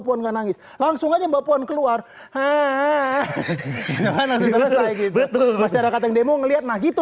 puan nangis langsung aja mbak puan keluar hehehe betul masyarakat yang demo ngelihat nah gitu